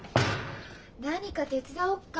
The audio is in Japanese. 何か手伝おっか？